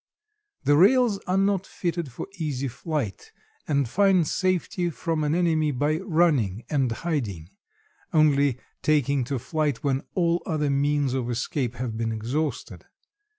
The rails are not fitted for easy flight and find safety from an enemy by running and hiding, only taking to flight when all other means of escape have been exhausted.